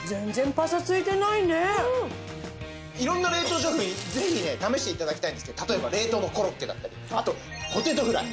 色んな冷凍食品ぜひね試して頂きたいんですけど例えば冷凍のコロッケだったりあとポテトフライ。